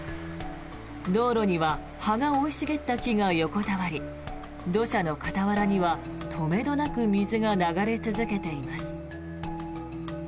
道路には葉が生い茂った木が横たわり土砂の傍らには止めどなく水が流れ続けています。